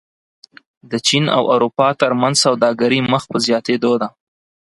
د چین او اروپا ترمنځ سوداګري مخ په زیاتېدو ده.